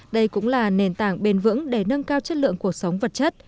đây cũng là nền tảng bền vững để nâng cao chất lượng cuộc sống vật chất